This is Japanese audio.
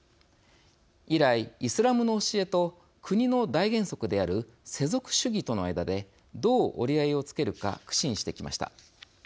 以来、イスラムの教えと国の大原則である世俗主義との間でどう折り合いをつけるか苦心してきました。